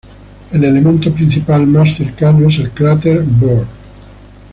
El elemento principal más cercano es el cráter Byrd.